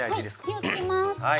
◆火をつけます。